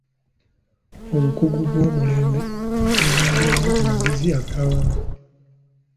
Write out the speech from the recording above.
Obukugu bw'omulembe buzingiramu amagezi ag'awamu.